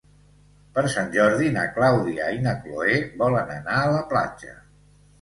Per Sant Jordi na Clàudia i na Cloè volen anar a la platja.